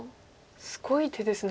すごい手ですね。